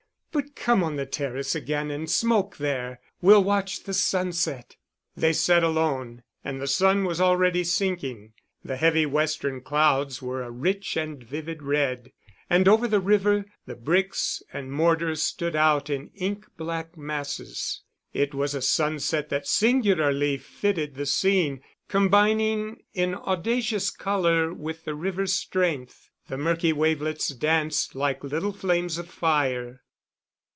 "But come on the terrace again and smoke there. We'll watch the sunset." They sat alone, and the sun was already sinking. The heavy western clouds were a rich and vivid red, and over the river the bricks and mortar stood out in ink black masses. It was a sunset that singularly fitted the scene, combining in audacious colour with the river's strength. The murky wavelets danced like little flames of fire.